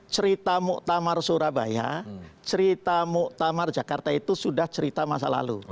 cerita muktamar surabaya cerita muktamar jakarta itu sudah cerita masa lalu